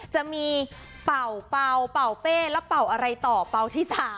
จะมีเป่าเป่าเป่าเป้แล้วเป่าอะไรต่อเป่าที่๓